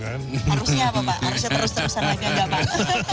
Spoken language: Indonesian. harusnya apa pak harusnya terus terusan lagi ada pak